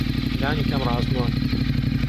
لانیکەم ڕاستگۆن.